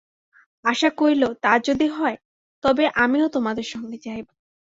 আশা কহিল, তা যদি হয়, তবে আমিও তোমার সঙ্গে যাইব।